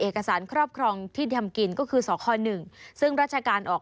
ครอบครองที่ทำกินก็คือสค๑ซึ่งราชการออก